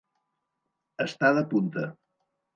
Estar de punta.